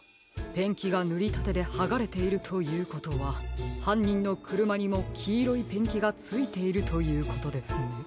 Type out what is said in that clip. ペンキがぬりたてではがれているということははんにんのくるまにもきいろいペンキがついているということですね。